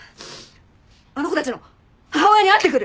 あの子たちの母親に会ってくる。